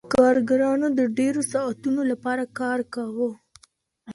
کارګرانو د ډیرو ساعتونو لپاره کار کاوه.